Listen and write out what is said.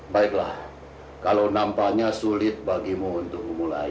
baiklah kalau nampanya sulit bagimu untuk memulainya